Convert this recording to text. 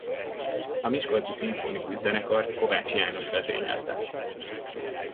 A Miskolci Szimfonikus Zenekart Kovács János vezényelte.